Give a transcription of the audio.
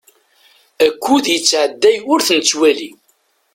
Akud yettɛedday ur t-nettwali.